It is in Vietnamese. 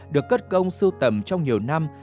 được cất công sưu tầm trong nhiều năm